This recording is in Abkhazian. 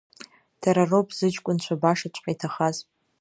Дара роуп зыҷкәынцәа башаҵәҟьа иҭахаз.